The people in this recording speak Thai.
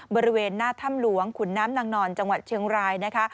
บริเวณหน้าถ้ำหลวงขุนน้ำนางนอนจังหวัดเชียงรายนะคะ